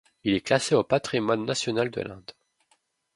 Il est classé au patrimoine national de l’Inde.